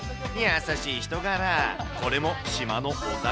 優しい人柄、これも島のお宝。